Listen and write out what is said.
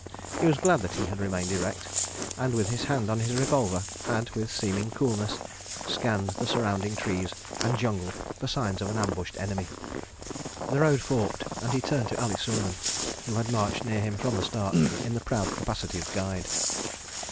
.. He was glad that he had remained erect, and, with his hand on his revolver, had, with seeming coolness, scanned the surrounding trees and jungle for signs of an ambushed enemy. ... The road forked, and he turned to Ali Suleiman, who had marched near him from the start, in the proud capacity of guide.